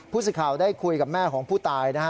พูดสุดข่าวได้คุยกับแม่ของผู้ตาย